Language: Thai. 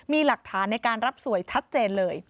มีหลักฐานในการรับสวยชัดเจนเลย